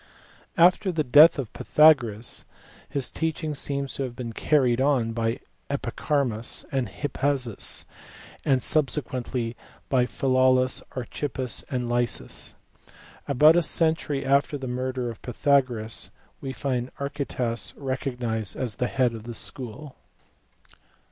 After the death of Pythagoras, his teaching seems to have been carried on by Epicharmus, and Hippasus; and sub sequently by Philolaus, Archippus, and Lysis. About a century after the murder of Pythagoras we find Archytas recognized as the head of the school.